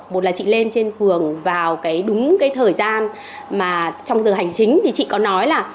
một là chị lên trên phường vào cái đúng cái thời gian mà trong giờ hành chính thì chị có nói là